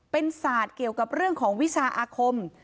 เป็นศาสตร์เกี่ยวกับเรื่องของวิชาอาคม